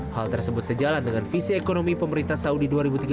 hal tersebut sejalan dengan visi ekonomi pemerintah saudi dua ribu tiga belas